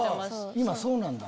今そうなんだ。